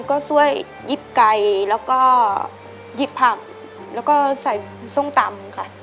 ก็ช่วยหยิบไก่แล้วก็หยิบผักแล้วก็ใส่ส้มตำค่ะ